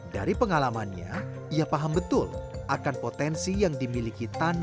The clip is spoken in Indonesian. dari pengalamannya ia paham betul akan potensi yang dimiliki tanaman